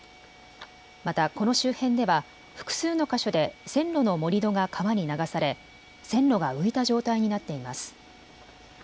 またこの周辺では複数の箇所で線路の盛り土が川に流され線路が浮いた状態になっています。